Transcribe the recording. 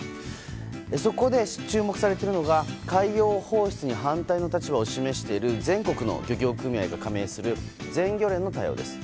そこで注目されているのが海洋放出に反対の立場を示している全国の漁業組合が加盟する全漁連の対応です。